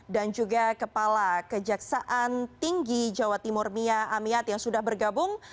dan juga kepala kejaksaan tinggi jawa timur mia amiat yang sudah bergabung